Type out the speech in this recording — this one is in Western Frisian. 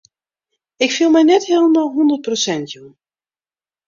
Ik fiel my net hielendal hûndert persint jûn.